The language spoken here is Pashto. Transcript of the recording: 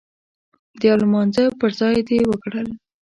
د يو لمانځه پر ځای دې وکړل.